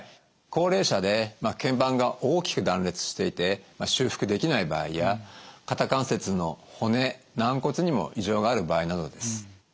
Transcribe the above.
高齢者で腱板が大きく断裂していて修復できない場合や肩関節の骨軟骨にも異常がある場合などです。